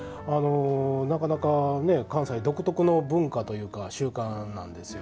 なかなか関西独特の文化というか習慣なんですよ。